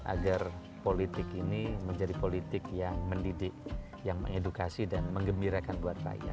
agar politik ini menjadi politik yang mendidik yang mengedukasi dan mengembirakan buat rakyat